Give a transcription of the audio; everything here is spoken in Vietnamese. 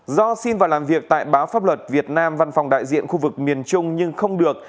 do xin vào làm việc tại báo pháp luật việt nam văn phòng đại diện khu vực miền trung nhưng không được